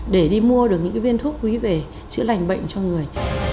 để đi mua được những viên thuốc quý về chữa lành bệnh cho người